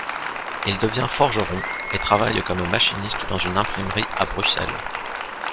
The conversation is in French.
Il devient forgeron et travaille comme machiniste dans une imprimerie à Bruxelles.